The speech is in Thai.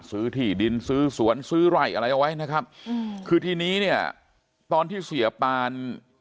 ที่ดินซื้อสวนซื้อไร่อะไรเอาไว้นะครับอืมคือทีนี้เนี่ยตอนที่เสียปาน